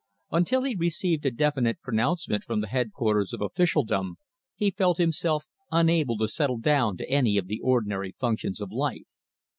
Until he received a definite pronouncement from the head quarters of officialdom, he felt himself unable to settle down to any of the ordinary functions of life.